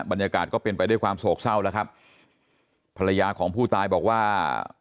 บรรยากาศก็เป็นไปด้วยความโศกเศร้าแล้วครับภรรยาของผู้ตายบอกว่า